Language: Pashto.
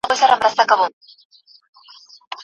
دا ښه تصميم ندی